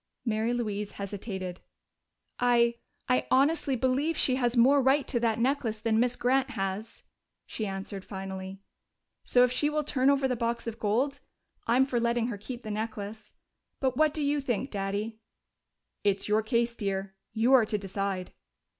Mary Louise hesitated. "I I honestly believe she has more right to that necklace than Miss Grant has," she answered finally. "So, if she will turn over the box of gold, I'm for letting her keep the necklace.... But what do you think, Daddy?" "It's your case, dear. You are to decide."